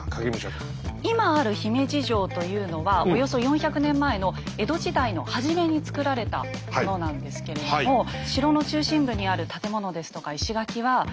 今ある姫路城というのはおよそ４００年前の江戸時代の初めに造られたものなんですけれども城の中心部にある建物ですとか石垣はもうほぼ残っているという。